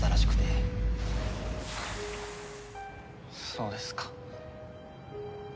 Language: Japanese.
そうですか。